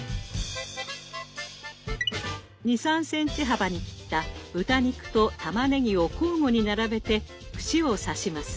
２３ｃｍ幅に切った豚肉とたまねぎを交互に並べて串を刺します。